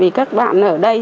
vì các bạn ở đây